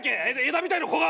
枝みたいな子が！